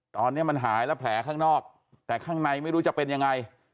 ตอนนี้มันหายแล้วแผลข้างนอกแต่ข้างในไม่รู้จะเป็นยังไง